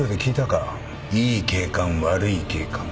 「いい警官悪い警官」を。